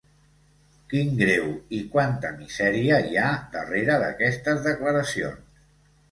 Quin greu i quanta misèria hi ha darrera d'aquestes declaracions.